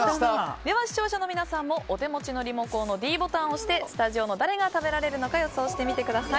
では、視聴者の皆さんもお手持ちのリモコンのｄボタンを押してスタジオの誰が食べられるのか予想してみてください。